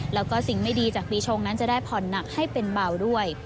แล้วก็สิ่งไม่ดีจากปีชงนั้นจะได้ผ่อนหนักให้เป็นเบาด้วย